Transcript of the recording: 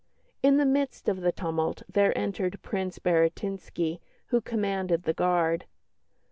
In the midst of the tumult there entered Prince Baratinski, who commanded the Guard.